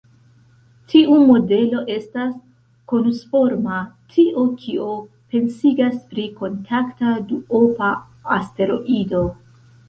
Tiu modelo estas konusforma, tio, kio pensigas pri kontakta duopa asteroido.